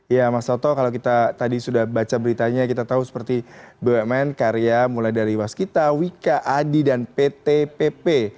ya mas toto kalau kita tadi sudah baca beritanya kita tahu seperti bumn karya mulai dari waskita wika adi dan pt pp